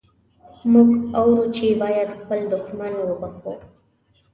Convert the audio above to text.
موږ اورو چې باید خپل دښمن وبخښو.